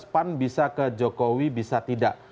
dua ribu sembilan belas pan bisa ke jokowi bisa tidak